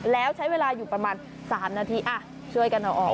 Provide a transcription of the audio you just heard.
แล้วใช้เวลาอยู่ประมาณ๓นาทีช่วยกันเอาออก